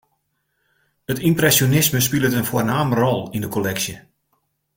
It ympresjonisme spilet in foarname rol yn 'e kolleksje.